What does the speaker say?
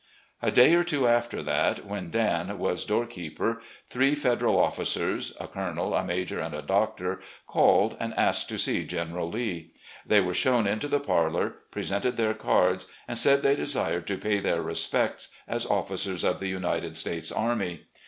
A day or two after that, when " Dan" was doorkeeper, three Federal officers, a colonel, a major, and a doctor, called and asked to see General Lee. They were shown into the parlour, presented their cards, and said they desired to pay their respects as officers of the United States Army.